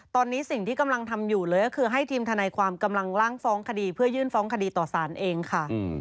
ตอนนี้สิ่งที่กำลังทำอยู่เลยก็คือให้ทีมทนายความกำลังล่างฟ้องคดีเพื่อยื่นฟ้องคดีต่อสารเองค่ะ